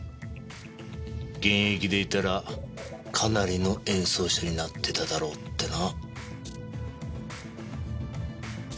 現役でいたらかなりの演奏者になってただろうってな。